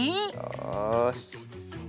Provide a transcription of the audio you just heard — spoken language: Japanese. よし。